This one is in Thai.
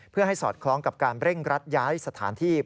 เพื่อให้สอดคล้องกับการเร่งรัดย้ายสถานที่